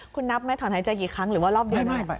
คุณนับไหมถอนหายใจกี่ครั้งหรือว่ารอบเดือนใหม่